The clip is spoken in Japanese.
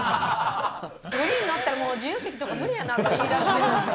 グリーン乗ったら、自由席とか無理やなって言いだしてるんですよ。